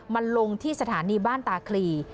มันลงที่สถานีบ้านตาคลี